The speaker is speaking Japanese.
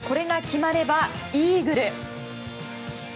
これが決まればイーグル。